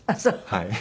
はい。